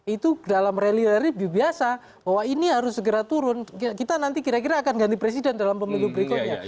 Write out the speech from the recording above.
itu dalam rally rally biasa bahwa ini harus segera turun kita nanti kira kira akan ganti presiden dalam pemilu berikutnya